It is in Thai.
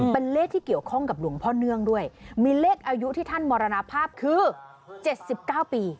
เป็นเลขที่เกี่ยวข้องกับหลวงพ่อเนื่องด้วยมีเลขอายุที่ท่านมรณภาพคือ๗๙ปี